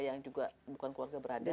yang juga bukan keluarga berada